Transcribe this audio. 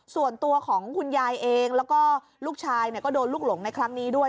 ส่วนตัวของคุณยายเองแล้วก็ลูกชายก็โดนลูกหลงในครั้งนี้ด้วย